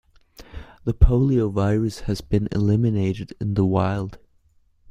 The poliovirus has been eliminated in the wild.